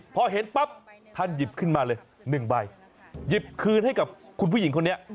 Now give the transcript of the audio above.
พอเห็นปั๊บท่านหยิบขึ้นมาเลย๑ใบหยิบคืนให้กับคุณผู้หญิงคนนี้